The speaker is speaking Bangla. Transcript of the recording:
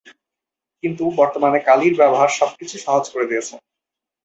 কিন্তু বর্তমানে কালির ব্যবহার সব কিছু সহজ করে দিয়েছে।